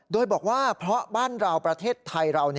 โดยบอกว่าเพราะบ้านเราประเทศไทยเรา